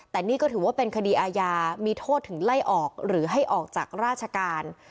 แต่นี่ก็ถือว่าเป็นคดีอาญามีโทษถึงไล่ออกหรือให้ออกจากราชการ